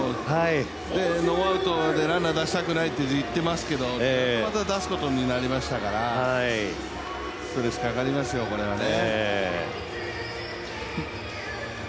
ノーアウトでランナー出したくないっていってますけど、これでまた出すことになりましたからストレスかかりますよ、これはね。